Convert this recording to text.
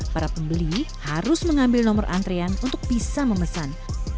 para pembeli harus mengambil nomor antrean untuk bisa memesan